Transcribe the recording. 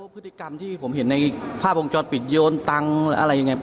พฤติกรรมที่ผมเห็นในภาพวงจรปิดโยนตังค์อะไรยังไง